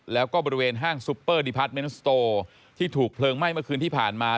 แล้วก็บริเวณห้างซุปเปอร์ดีพาร์ทเมนต์สโตที่ถูกเพลิงไหม้เมื่อคืนที่ผ่านมา